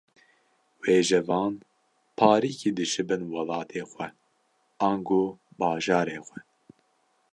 Wêjevan, parîkî dişibin welatê xwe ango bajarê xwe